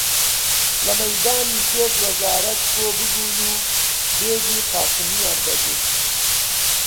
لە مەیدانی پێش وەزارەت کۆ ببوون و بژی قاسمیان دەگوت